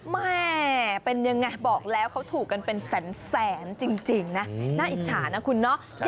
แม่เป็นยังไงบอกแล้วเขาถูกกันเป็นแสนจริงนะน่าอิจฉานะคุณเนาะ